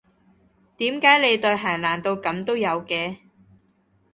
點解你對鞋爛到噉都有嘅？